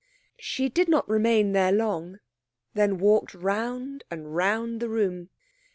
She did not remain there long, then walked round and round the room.